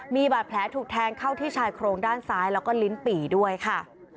มีบาดแผลถูกแทงเข้าที่ชายโครงด้านซ้ายแล้วก็ลิ้นปี่ด้วยค่ะ